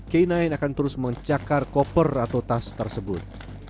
k sembilan akan terus mencakar koper atau tas tersebut